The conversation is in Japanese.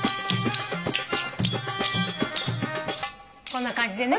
こんな感じでね。